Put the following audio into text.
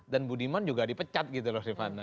dan budiman juga dipecat gitu loh